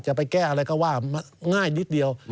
จะไปแก้อะไรก็ว่าง่ายนิดเดียว